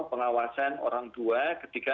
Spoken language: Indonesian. pengawasan orang tua ketika